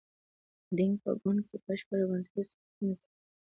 دینګ په ګوند کې بشپړ او بنسټیز اصلاحات رامنځته کړي.